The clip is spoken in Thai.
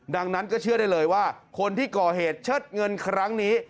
ดังนั้นก็เชื่อได้เลยว่าคนที่ก่อเหตุเชิดเงินครั้งนี้